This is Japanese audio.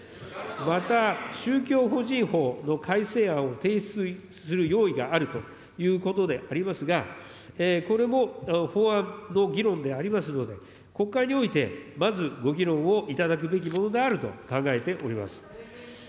また、宗教法人法の改正案を提出する用意があるということでありますが、これも法案の議論でありますので、国会においてまずご議論をいただくべきものであると考えております。